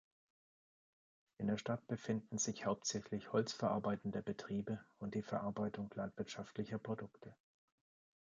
In der Stadt befinden sich hauptsächlich holzverarbeitende Betriebe und die Verarbeitung landwirtschaftlicher Produkte.